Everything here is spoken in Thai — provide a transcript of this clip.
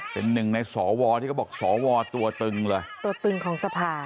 เป็นหนึ่งในสวที่เขาบอกสวตัวตึงเลยตัวตึงของสภา